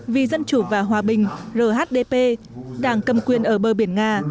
vì dân chủ và hòa bình rhdp đảng cầm quyền ở bờ biển nga